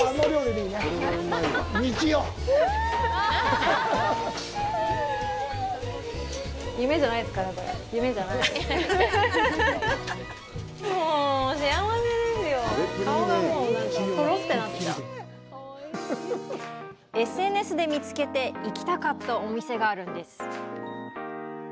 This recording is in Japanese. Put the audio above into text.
ＳＮＳで見つけてＳＮＳで見つけて行きたかったお店があるんです。